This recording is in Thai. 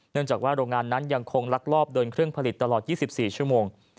จากว่าโรงงานนั้นยังคงลักลอบเดินเครื่องผลิตตลอด๒๔ชั่วโมง